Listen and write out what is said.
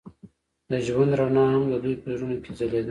د ژوند رڼا هم د دوی په زړونو کې ځلېده.